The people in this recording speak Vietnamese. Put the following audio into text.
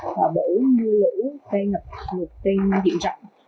bổ mưa lũ cây ngập ngực cây diện rộng